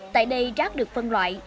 tại đây rác được phân loại